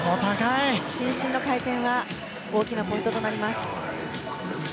伸身の回転は大きなポイントとなります。